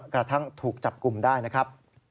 กระทั่งถูกจับกลุ่มได้นะครับ